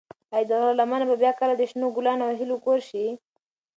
ایا د غره لمنه به بیا کله د شنو ګلانو او هیلو کور شي؟